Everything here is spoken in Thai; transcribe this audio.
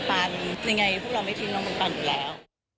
ยังไงพวกเราไม่ทิ้งน้องคุณปันอยู่แล้ว